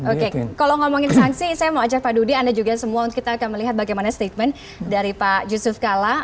oke kalau ngomongin sanksi saya mau ajak pak dudi anda juga semua kita akan melihat bagaimana statement dari pak yusuf kalla